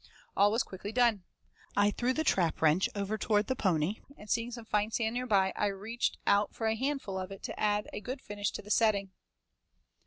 All was quickly done. I threw the trap wrench over toward the pony, and seeing some fine sand nearby, I reached out for a handful of it to add a good finish to the setting.